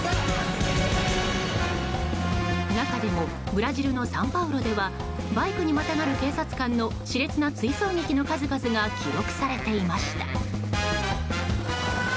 中でもブラジルのサンパウロではバイクにまたがる警察官の熾烈な追走劇の数々が記録されていました。